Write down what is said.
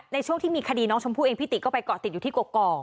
ในช่วงที่มีคดีน้องชมพู่เองพี่ติก็ไปเกาะติดอยู่ที่กอก